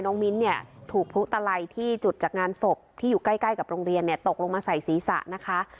มิ้นเนี่ยถูกพลุตลัยที่จุดจากงานศพที่อยู่ใกล้กับโรงเรียนเนี่ยตกลงมาใส่ศีรษะนะคะ